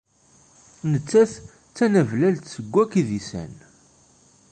Nettat d tanablalt seg wakk idisan.